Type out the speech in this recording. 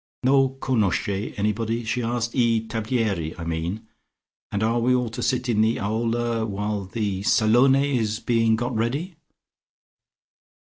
"Non cognosce anybody?" she asked. "I tablieri, I mean. And are we all to sit in the aula, while the salone is being got ready?"